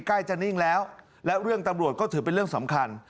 ใกล้จะนิ่งแล้วและเรื่องตำรวจก็ถือเป็นเรื่องสำคัญ